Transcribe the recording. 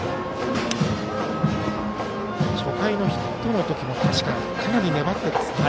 初回のヒットの時もかなり粘っていました。